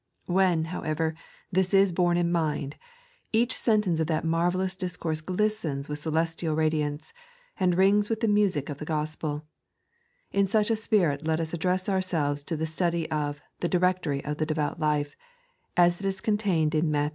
When, however, this is borne in mind, each sentence of that marvellous discourse glistens with celestial radiance, and rings with the music of the Gospel In such a spirit let ue address ourselves to the study of the " Directory of the Devout Life," as it is contained in Matt, v.